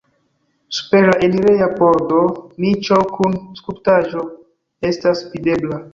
Super la enireja pordo niĉo kun skulptaĵo estas videbla.